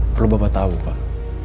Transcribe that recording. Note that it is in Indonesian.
perlu bapak tahu pak